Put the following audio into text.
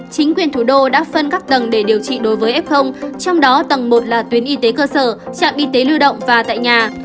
chính quyền thủ đô đã phân các tầng để điều trị đối với f trong đó tầng một là tuyến y tế cơ sở trạm y tế lưu động và tại nhà